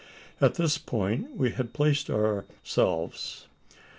At this point we had placed, ourselves.